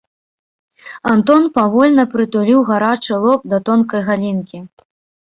Антон павольна прытуліў гарачы лоб да тонкай галінкі.